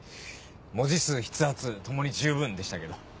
文字数筆圧共に十分でしたけど。